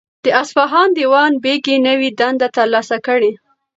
د اصفهان دیوان بیګي نوی دنده ترلاسه کړه.